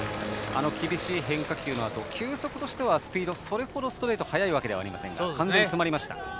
あの厳しい変化球のあと球速としてはスピード、それほどストレートは速いわけではありませんが。